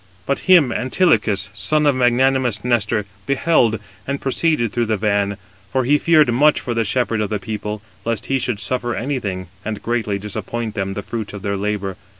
But him Antilochus, son of magnanimous Nestor, beheld, and proceeded through the van, for he feared much for the shepherd of the people, lest he should suffer anything, and greatly disappoint them of [the fruits of] their labour.